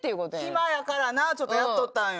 暇やからなちょっとやっとったんよ。